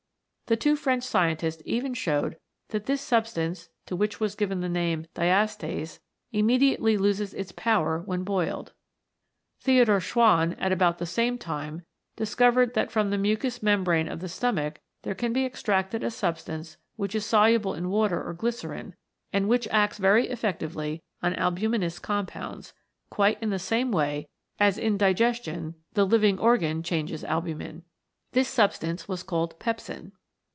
The two French scientists even showed that this sub stance, to which was given the name of Diastase, immediately loses its power when boiled. Theo dore Schwann, at about the same time, discovered that from the mucous membrane of the stomach there can be extracted a substance which is soluble in water or glycerine, and which acts very effec tively upon albuminous compounds, quite in the same way as in digestion the living organ changes 92 CATALYSIS AND THE ENZYMES albumin. This substance was called Pepsin.